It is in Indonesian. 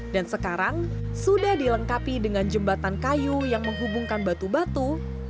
dan sekarang sudah dilengkapi dengan jembatan kayu yang menghubungkan batu batu